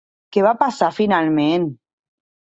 Què va passar finalment?